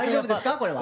これは。